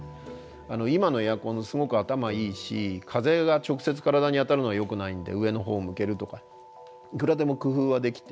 今のエアコンすごく頭いいし風が直接体に当たるのはよくないんで上のほうを向けるとかいくらでも工夫はできて。